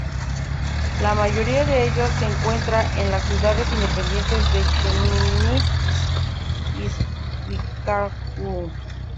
La mayoría de ellos se encuentran en las ciudades independientes de Chemnitz y Zwickau.